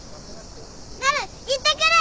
なる行ってくる！